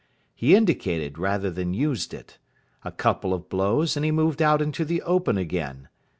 He indicated rather than used it. A couple of blows, and he moved out into the open again.